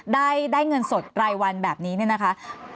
ได้เงินสดรายวันแบบนี้เนี่ยนะคะ